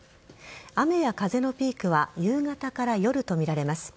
雨や風のピークは夕方から夜とみられます。